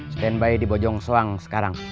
stand by di bojong soang sekarang